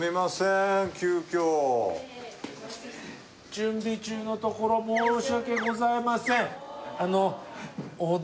準備中のところ申し訳ございません